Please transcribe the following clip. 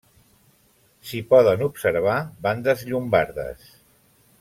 S'hi poden observar bandes llombardes.